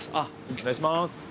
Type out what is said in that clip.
お願いします。